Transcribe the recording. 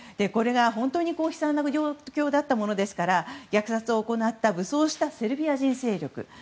これが本当に悲惨な状況だったものですから虐殺を行った武装したセルビア人勢力